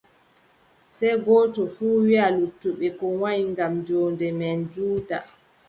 Sey gooto fuu wiʼa luttuɓe ko wanyi ngam joonde meen juuta.